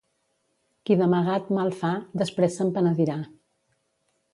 Qui d'amagat mal fa, després se'n penedirà.